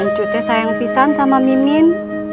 enggak mungkinnya tuh pak